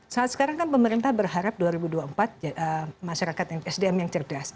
saat sekarang kan pemerintah berharap dua ribu dua puluh empat masyarakat sdm yang cerdas